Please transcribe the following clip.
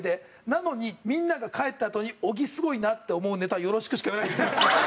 なのにみんなが帰ったあとに小木すごいなって思うネタをよろしく」しか言わないんですよ。